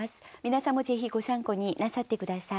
皆さんもぜひご参考になさって下さい。